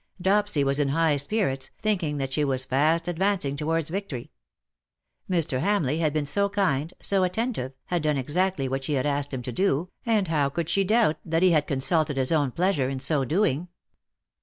Dopsy was in high spirits, thinking that she was fast ad vancing towards victory. Mr. Hamleigh had been so kind, so attentive, had done exactly what she had asked him to do, and how could she doubt that he had consulted his own pleasure in so doing.